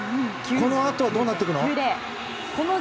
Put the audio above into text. このあと、どうなってくるの？